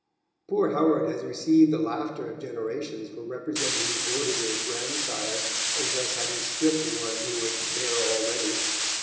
Poor Howard has received the laughter of generations for representing Vortiger's grandsire as thus having stripped one who was bare already.